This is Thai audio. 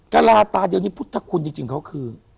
กระลาตาเดียวนี้พุทธคุณจริงเขาคือ